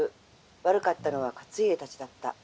悪かったのは勝家たちだった。